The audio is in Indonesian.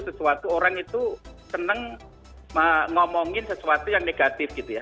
sesuatu orang itu seneng ngomongin sesuatu yang negatif gitu ya